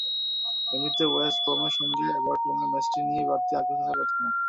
এমনিতে ওয়েস্ট ব্রমের সঙ্গে এভারটনের ম্যাচটি নিয়ে বাড়তি আগ্রহ থাকার কথা নয়।